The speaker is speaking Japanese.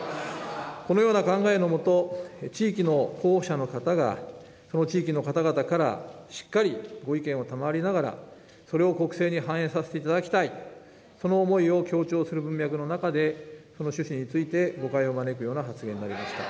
このような考えのもと、地域の候補者の方が、その地域の方々からしっかりご意見を賜りながら、それを国政に反映させていただきたい、その思いを強調する文脈の中で、この趣旨について、誤解を招くような発言になりました。